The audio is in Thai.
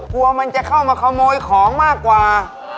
กลัวมันจะเข้ามาขโมยของมากกว่า